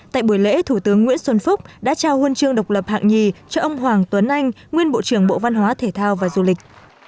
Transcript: tại buổi lễ thủ tướng nguyễn xuân phúc đã trao huân chương độc lập hạng nhì cho ông hoàng tuấn anh nguyên bộ trưởng bộ văn hóa thể thao và du lịch